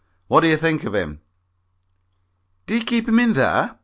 "What do you think of him?" "Do you keep him in there?"